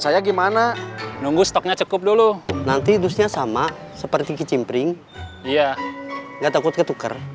saya gimana nunggu stoknya cukup dulu nanti dusnya sama seperti kicimpring ya nggak takut ketukar